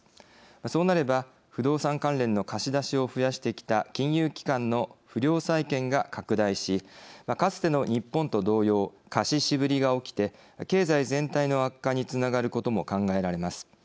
そうなれば不動産関連の貸し出しを増やしてきた金融機関の不良債権が拡大しかつての日本と同様貸し渋りが起きて経済全体の悪化につながることも考えられます。